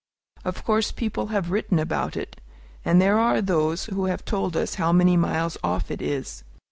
Of course, people have written about it, and there are those who have told us how many miles off it is.